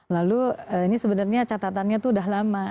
lalu ini sebenarnya catatannya itu udah lama